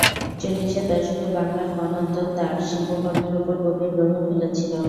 চল্লিশের দশকে বাংলার মন্বন্তর তার শিল্পকর্মের উপর গভীর প্রভাব ফেলেছিল।